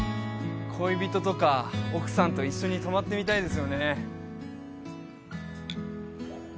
恋人とか奥さんと一緒に泊まってみたいですよね